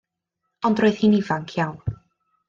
Ond roedd hi'n ifanc iawn.